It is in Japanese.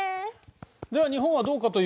では日本はどうかと